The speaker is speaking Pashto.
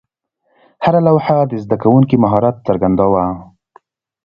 هره لوحه د زده کوونکي مهارت څرګنداوه.